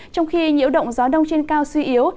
trong khi nhiễu động gió đông trên cao suy yếu